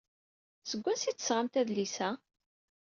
Seg wansi ay d-tesɣamt adlis-a?